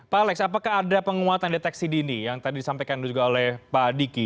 pak alex apakah ada penguatan deteksi dini yang tadi disampaikan juga oleh pak adiki